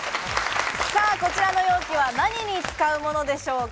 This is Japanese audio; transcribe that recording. こちらの容器は何に使うものでしょうか？